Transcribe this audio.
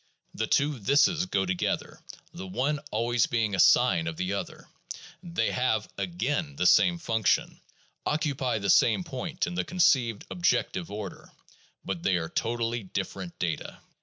The two "thises" go together, the one always being a sign of the other; they have, again, the same function, occupy the same point in the con ceived objective order; but they are totally different data.